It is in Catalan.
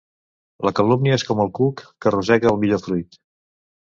La calúmnia és com el cuc, que rosega el millor fruit.